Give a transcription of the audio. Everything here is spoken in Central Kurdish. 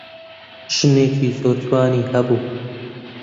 ژنێکی زۆر جوانی هەبوو.